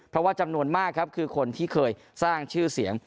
เพราะว่าจำนวนมากครับคือคนที่เคยสร้างชื่อเสียง